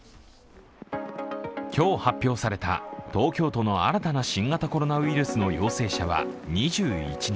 今日発表された東京都の新たな新型コロナウイルスの陽性者は２１人。